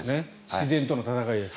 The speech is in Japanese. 自然との闘いです。